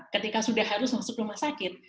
ketika sudah harus masuk rumah sakit